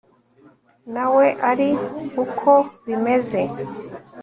nawe ari uko bimeze